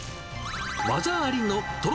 技ありのトロ